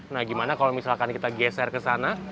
nah gimana kalau misalkan kita geser ke sana